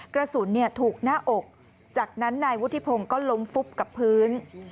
กระสุนถูกหน้าอกจากนั้นนายวุฒิพงศ์ก็ล้มฟุบกับพื้น